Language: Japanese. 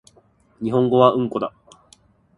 日本語はうんこだ